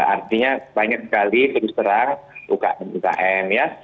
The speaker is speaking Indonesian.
artinya banyak sekali terus terang umkm ya